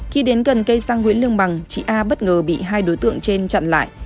khi đến gần cây xăng nguyễn lương bằng chị a bất ngờ bị hai đối tượng trên chặn lại